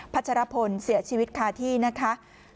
ัชรพลเสียชีวิตคาที่นะคะ